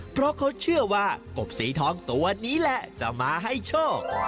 เพราะเขาเชื่อว่ากบสีทองตัวนี้แหละจะมาให้โชค